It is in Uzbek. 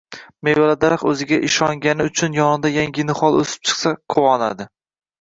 Mevali daraxt o’ziga ishongani uchun yonida yangi nihol o’sib chiqsa, quvonadi.